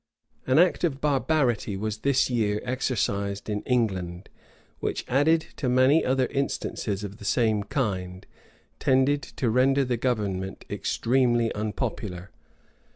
An act of barbarity was this year exercised in England, which, added to many other instances of the same kind, tended to render the government extremely unpopular.